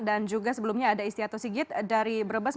dan juga sebelumnya ada istiato sigit dari brebes